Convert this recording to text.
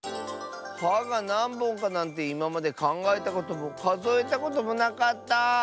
「は」がなんぼんかなんていままでかんがえたこともかぞえたこともなかった。